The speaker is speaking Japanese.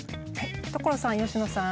所さん佳乃さん。